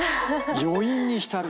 余韻に浸る。